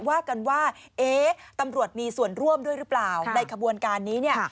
ว่ากันว่าเอ๊ะตำรวจมีส่วนร่วมด้วยหรือเปล่าในขบวนการนี้เนี่ย